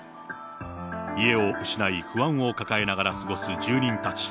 家を失い、不安を抱えながら過ごす住人たち。